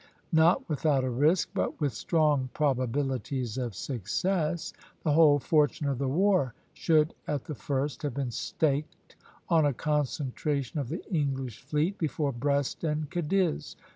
" Not without a risk, but with strong probabilities of success, the whole fortune of the war should at the first have been staked on a concentration of the English fleet between Brest and Cadiz.